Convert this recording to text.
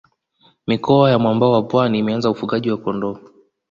mikoa ya mwambao wa pwani imeanza ufugaji wa kondoo